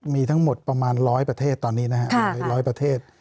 มีทั้งหมดประมาณ๑๐๐ประเทศตอนนี้นะครับ๑๐๐ประเทศ